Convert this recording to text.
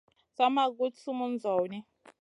Sa ma guɗ sumun zawni.